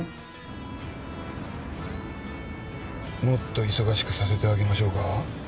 もっと忙しくさせてあげましょうか？